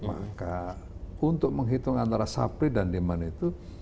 maka untuk menghitung antara sapri dan demand itu